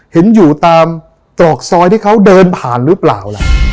เห็นอยู่ตามตรอกซอยที่เขาเดินผ่านหรือเปล่าล่ะ